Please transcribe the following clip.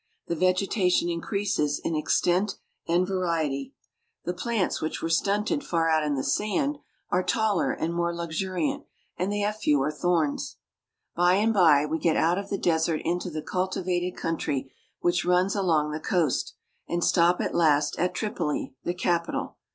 The vegetation increases in extent and variety ; the plants which were stunted far out in the sand are taller and more luxuriant, and they have fewer thorns. By and by, we get out of the desert into the cultivated country which runs along the coast, and stop at last at Tripoli, the capital.